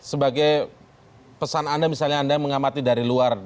sebagai pesan anda misalnya anda mengamati dari luar